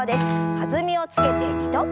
弾みをつけて２度。